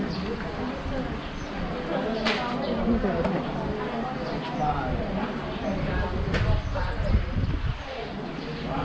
เจ้าอย่างเยี่ยมกับตุ๊กซักวัน